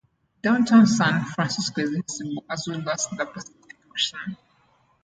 Downtown San Francisco is visible, as well as the Pacific Ocean.